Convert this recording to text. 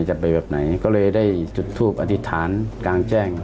จะไปแบบไหนก็เลยได้จุดทูปอธิษฐานกลางแจ้ง